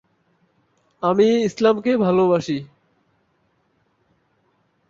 এই দুই ভাইবোন পরবর্তীতে শ্রীলঙ্কা যান বুদ্ধের বাণী প্রচারের জন্যে।